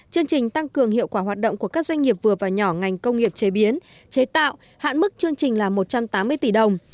chương trình tăng cường hiệu quả hoạt động của các doanh nghiệp vừa và nhỏ ngành công nghiệp chế biến chế tạo hạn mức chương trình là một trăm tám mươi tỷ đồng